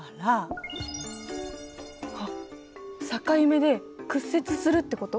あっ境目で屈折するってこと？